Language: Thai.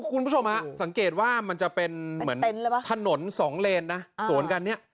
คุณผู้ชมสำเร็จว่ามันจะเป็นถนน๒เรนสวนกรรม์นี้